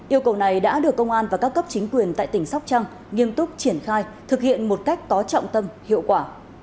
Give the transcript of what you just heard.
yêu cầu này đã được công an và các cấp chính quyền tại tỉnh sóc trăng nghiêm túc triển khai thực hiện một cách có trọng tâm hiệu quả